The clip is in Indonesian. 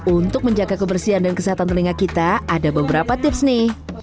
untuk menjaga kebersihan dan kesehatan telinga kita ada beberapa tips nih